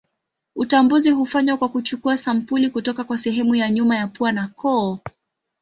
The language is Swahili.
Utambuzi hufanywa kwa kuchukua sampuli kutoka kwa sehemu ya nyuma ya pua na koo.